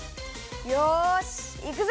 よしいくぞ！